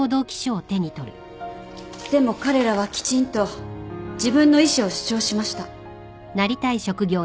でも彼らはきちんと自分の意思を主張しました。